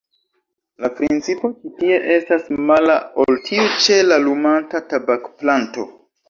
La principo ĉi tie estas mala ol tiu ĉe la lumanta tabakplanto.